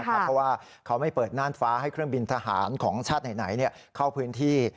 เพราะว่าเขาไม่เปิดน่านฟ้าให้เครื่องบินทหารของชาติไหนเข้าพื้นที่